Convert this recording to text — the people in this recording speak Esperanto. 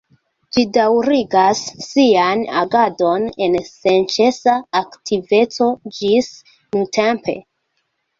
Ĝi daŭrigas sian agadon en senĉesa aktiveco ĝis nuntempe.